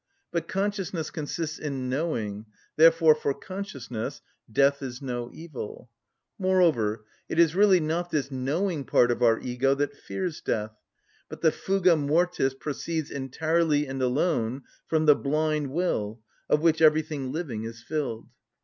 But consciousness consists in knowing; therefore, for consciousness death is no evil. Moreover, it is really not this knowing part of our ego that fears death, but the fuga mortis proceeds entirely and alone from the blind will, of which everything living is filled.